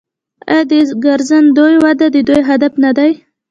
آیا د ګرځندوی وده د دوی هدف نه دی؟